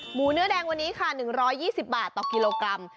หมูเนื้อแดงวันนี้ค่ะ๑๒๐บาทต่อกิโลกรัม